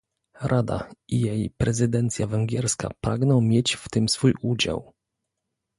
Rada i jej prezydencja węgierska pragną mieć w tym swój udział